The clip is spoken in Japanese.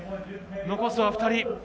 残すは２人。